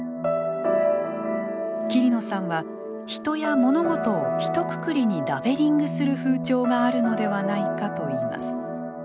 桐野さんは人や物事をひとくくりにラベリングする風潮があるのではないかといいます。